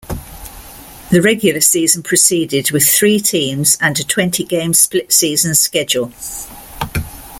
The regular season proceeded with three teams and a twenty-game split-season schedule.